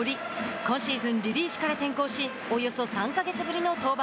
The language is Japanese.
今シーズン、リリーフから転向しおよそ３か月ぶりの登板。